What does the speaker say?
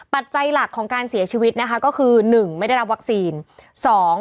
ปัจจัยหลักของการเสียชีวิตนะคะก็คือหนึ่งไม่ได้รับวัคซีน